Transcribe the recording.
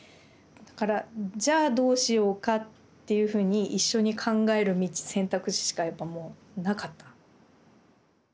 だから「じゃあどうしようか」っていうふうに一緒に考える道選択肢しかやっぱもうなかった。